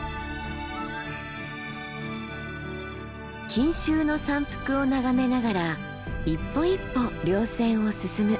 錦秋の山腹を眺めながら一歩一歩稜線を進む。